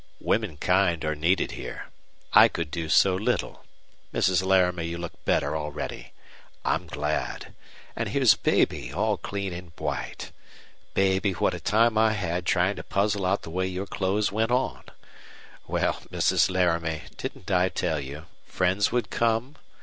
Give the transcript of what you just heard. "Womankind are needed here. I could do so little. Mrs. Laramie, you look better already. I'm glad. And here's baby, all clean and white. Baby, what a time I had trying to puzzle out the way your clothes went on! Well, Mrs. Laramie, didn't I tell you friends would come?